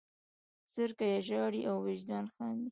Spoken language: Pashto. زرکه ژاړي او واجده خاندي